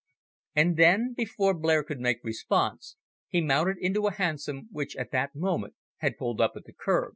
And then, before Blair could make response, he mounted into a hansom which at that moment had pulled up at the kerb.